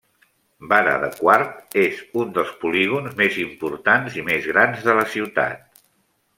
Vara de Quart és un dels polígons més importants i més grans de la ciutat.